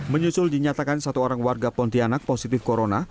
menyusul dinyatakan satu orang warga pontianak positif corona